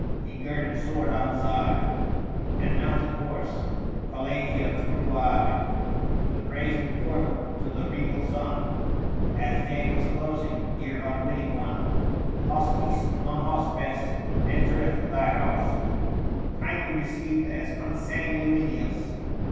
He girded sword on side, And mounted horse : Collatia threw wide 840 The brazen portal to the regal son As day was closing. Dear, unwitting one, Hostis non Hospes entereth thy house, Kindly received as consanguineous.